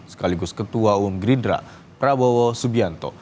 sekaligus ketua umum gerindra prabowo subianto